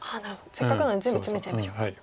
せっかくなので全部ツメちゃいましょうか。